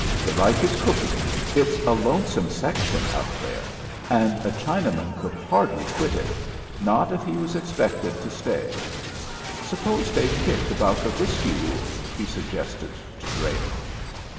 "They like his cooking. It's a lonesome section up there, and a Chinaman could hardly quit it, not if he was expected to stay. Suppose they kick about the whiskey rule?" he suggested to Drake.